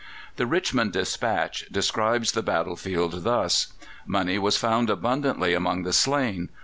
The Richmond Dispatch describes the battle field thus: "Money was found abundantly among the slain.